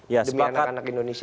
demi anak anak indonesia